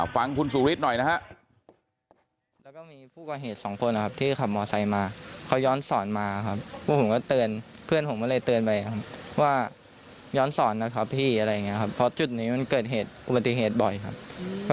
ฟังคุณสุฤทธิ์หน่อยนะฮะ